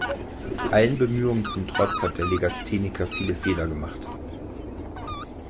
Allen Bemühungen zum Trotz hat der Legastheniker viele Fehler gemacht.